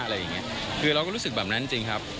เราก็รู้สึกแบบนั้นนะครับ